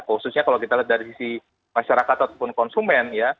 khususnya kalau kita lihat dari sisi masyarakat ataupun konsumen ya